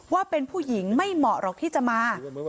ว่าเป็นผู้หญิงไม่เหมาะหรอกที่จะมา